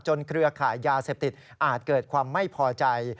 เครือข่ายยาเสพติดอาจเกิดความไม่พอใจ